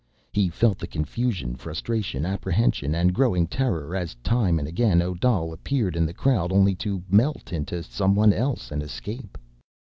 He felt the confusion, frustration, apprehension and growing terror as, time and again, Odal appeared in the crowd—only to melt into someone else and escape.